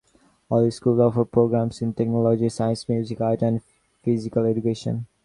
All schools offer programs in technology, science, music, art, and physical education.